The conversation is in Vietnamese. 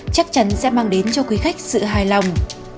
chắc chắn sẽ mang đến cho quý khách sự hài lòng